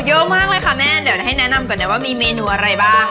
เยอะมากเลยค่ะแม่เดี๋ยวให้แนะนำก่อนนะว่ามีเมนูอะไรบ้าง